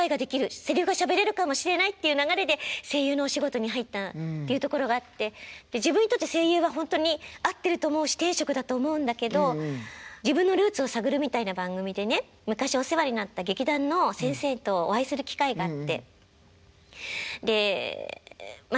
せりふがしゃべれるかもしれない」っていう流れで声優のお仕事に入ったっていうところがあって自分にとって声優はほんとに合ってると思うし天職だと思うんだけど自分のルーツを探るみたいな番組でね昔お世話になった劇団の先生とお会いする機会があってでまあ